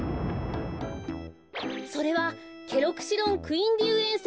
それはケロクシロンクインディウエンセ。